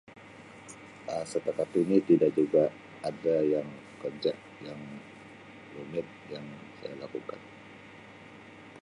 Um Setakat ini tidak juga ada yang kerja yang rumit yang saya lakukan.